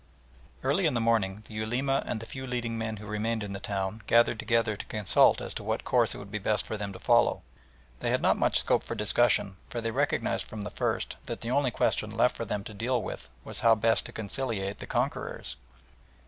Early in the morning the Ulema and the few leading men who remained in the town gathered together to consult as to what course it would be best for them to follow. They had not much scope for discussion, for they recognised from the first that the only question left for them to deal with was how best to conciliate the conquerors.